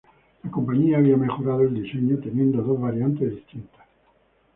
La compañía había mejorado el diseño teniendo dos variantes distintas.